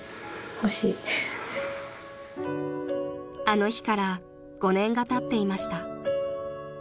［あの日から５年がたっていました］